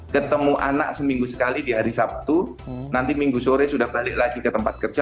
ketemu anak seminggu sekali di hari sabtu nanti minggu sore sudah balik lagi ke tempat kerja